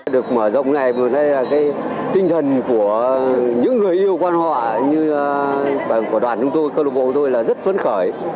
được mở rộng ngày bữa nay là cái tinh thần của những người yêu quan họ như là của đoàn chúng tôi club của chúng tôi là rất phấn khởi